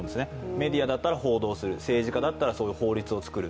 メディアだったら報道する政治家だったらそういう法律を作る。